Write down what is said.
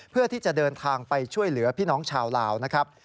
เพื่อที่จะเดินทางไปช่วยเหลือพี่น้องชาวลาวนะครับ